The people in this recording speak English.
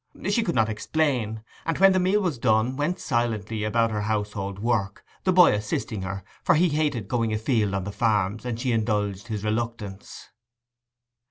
She could not explain, and when the meal was done went silently about her household work, the boy assisting her, for he hated going afield on the farms, and she indulged his reluctance.